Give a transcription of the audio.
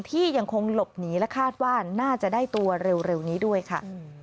ที่ยังคงหลบหนีและคาดว่าน่าจะได้ตัวเร็วนี้ด้วยค่ะ